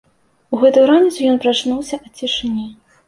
У гэтую раніцу ён прачнуўся ад цішыні.